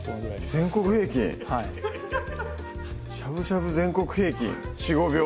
全国平均しゃぶしゃぶ全国平均４５秒？